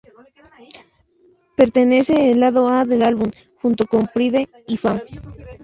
Pertenece al lado A del álbum, junto con "Pride" y "Fame".